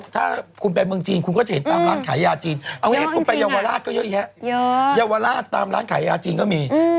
ถ้าไปเวียดนาม